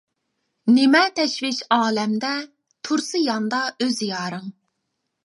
نېمە تەشۋىش ئالەمدە، تۇرسا ياندا ئۆز يارىڭ.